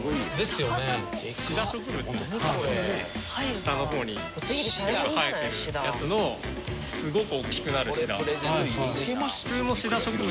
下の方に生えてるやつのすごく大きくなるシダ。